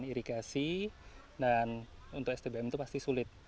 kita menggunakan irigasi dan untuk stbm itu pasti sulit